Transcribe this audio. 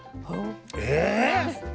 え⁉